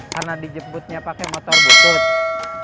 karena dijemputnya pakai motor butut